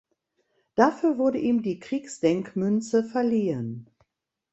Dafür wurde ihm die Kriegsdenkmünze verliehen.